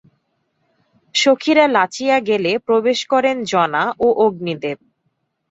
সখীরা লাচিয়া গেলে প্রবেশ করেন জনা ও অগ্নিদেব।